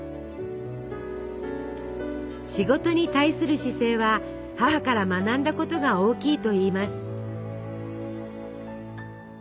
仕事に対する姿勢は母から学んだことが大きいといいます。